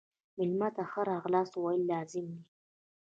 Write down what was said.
مېلمه ته ښه راغلاست ویل لازم دي.